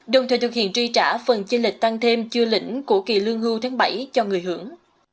đồng thời thực hiện tri trả phần chi lịch tăng thêm chưa lĩnh của kỳ lương hưu tháng bảy cho người hưởng